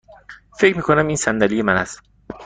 فکر می کنم این صندلی من است.